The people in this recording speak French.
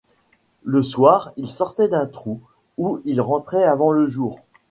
Le soir il sortait d’un trou où il rentrait avant le jour.